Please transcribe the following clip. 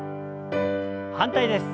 反対です。